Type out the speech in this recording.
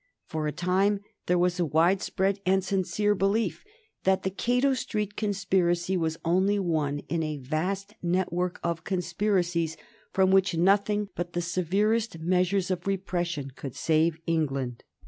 For a time there was a widespread and sincere belief that the Cato Street conspiracy was only one in a vast network of conspiracies from which nothing but the severest measures of repression could save England.